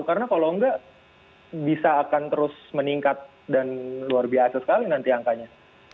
karena kalau enggak bisa akan terus meningkat dan luar biasa sekali nanti angkanya